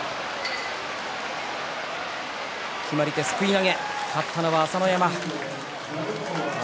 決まり手はすくい投げ勝ったのは朝乃山。